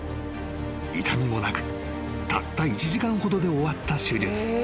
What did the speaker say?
［痛みもなくたった１時間ほどで終わった手術］